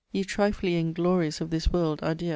2 'Ye triflying glories of this world, adieu!